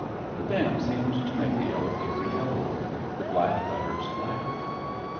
The damp seemed to make the yellow paper yellower, the black letters blacker.